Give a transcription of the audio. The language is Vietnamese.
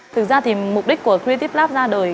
thực ra thì mục đích của creative lab ra đời